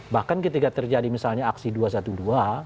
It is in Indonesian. bahkan ketika terjadi misalnya aksi dua satu dua